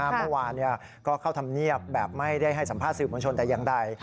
เมื่อวานก็เข้าธรรมเนียบแบบไม่ได้ให้สัมภาษณ์สื่อมวลชนแต่อย่างใด